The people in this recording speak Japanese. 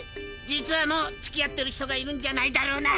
実はもうつきあってる人がいるんじゃないだろうな？